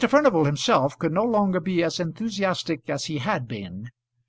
Furnival himself could no longer be as enthusiastic as he had been.